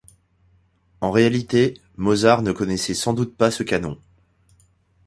En réalité, Mozart ne connaissait sans doute pas ce canon.